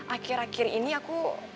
akhir akhir ini aku